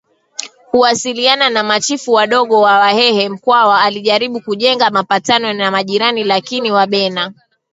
kuwasiliana na machifu wadogo wa Wahehe Mkwawa alijaribu kujenga mapatano na majirani lakini Wabena